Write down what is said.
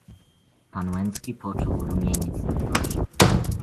"Pan Łęcki poczuł rumieniec na twarzy."